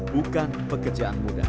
bukan pekerjaan mudah